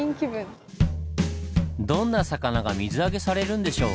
どんな魚が水揚げされるんでしょう？